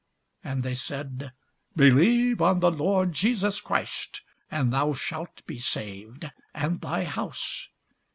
And they said, Believe on the Lord Jesus Christ, and thou shalt be saved, and thy house.